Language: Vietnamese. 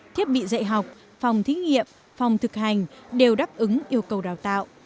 thiết bị dạy học phòng thí nghiệm phòng thực hành đều đáp ứng yêu cầu đào tạo